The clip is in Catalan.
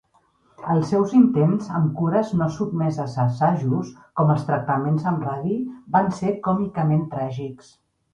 Els seus intents amb cures no sotmeses a assajos, com els tractaments amb radi, van ser còmicament tràgics.